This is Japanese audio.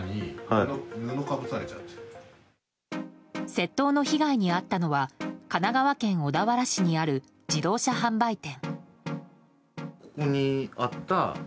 窃盗の被害に遭ったのは神奈川県小田原市にある自動車販売店。